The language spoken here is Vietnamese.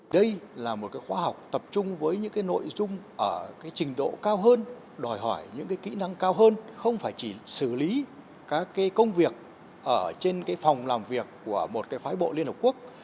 đây là một khóa học tập trung với những nội dung ở trình độ cao hơn đòi hỏi những kỹ năng cao hơn không phải chỉ xử lý các công việc ở trên phòng làm việc của một phái bộ liên hợp quốc